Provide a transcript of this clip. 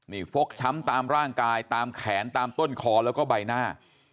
นี่ฟกช้ำตามร่างกายตามแขนตามต้นคอแล้วก็ใบหน้า